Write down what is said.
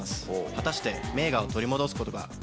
果たして名画を取り戻すことができたのか？